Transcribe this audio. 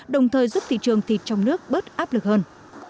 đồng thời giúp thị trường thịt trong nước bớt áp lực hơn